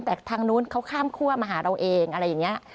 แต่ทางนู้นเขาข้ามคั่วมาหาเราเองอะไรอย่างนี้